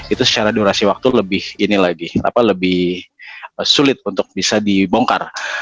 itu secara durasi waktu lebih sulit untuk bisa dibongkar